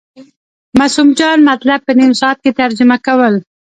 معصوم جان مطلب په نیم ساعت کې ترجمه کول.